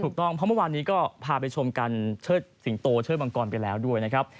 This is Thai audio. ถูกต้องเพราะเมื่อวานนี้ก็พาไปชมกันเชิดสิงโตเชิดมังกรไปแล้วด้วยนะครับ